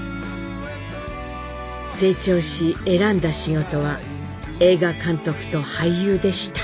成長し選んだ仕事は映画監督と俳優でした。